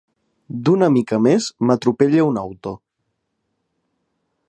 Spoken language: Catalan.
D'una mica més m'atropella un auto.